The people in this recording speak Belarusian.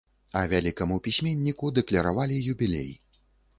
А вялікаму пісьменніку дакляравалі юбілей.